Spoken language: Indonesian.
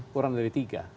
kurang dari tiga